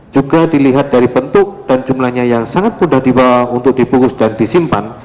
juga dilihat dari bentuk dan jumlahnya yang sangat mudah dibawa untuk dibungkus dan disimpan